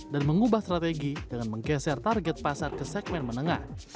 dan mengubah strategi dengan menggeser target pasar ke segmen menengah